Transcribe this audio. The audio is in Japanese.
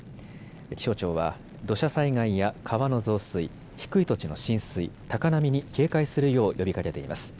気象庁は土砂災害や川の増水、低い土地の浸水、高波に警戒するよう呼びかけています。